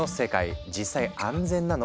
実際安全なの？